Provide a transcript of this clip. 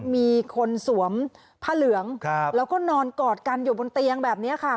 มีคนสวมผ้าเหลืองแล้วก็นอนกอดกันอยู่บนเตียงแบบนี้ค่ะ